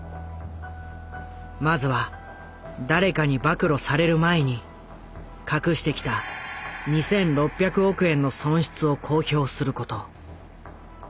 まずは誰かに暴露される前に隠してきた２６００億円の損失を公表すること。